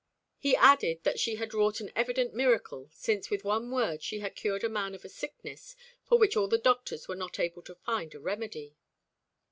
He added that she had wrought an evident miracle, since with one word she had cured a man of a sickness for which all the doctors were not able to find a remedy.